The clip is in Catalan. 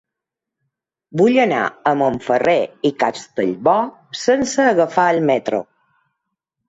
Vull anar a Montferrer i Castellbò sense agafar el metro.